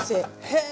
へえ！